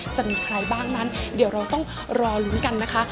จะมีใครบ้างนั้นเดี๋ยวเราต้องรอลุ้นกันนะคะ